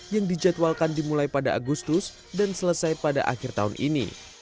yang dijadwalkan dimulai pada agustus dan selesai pada akhir tahun ini